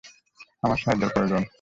আমার সাহায্যের প্রয়োজন।